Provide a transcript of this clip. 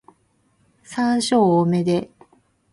山椒多めで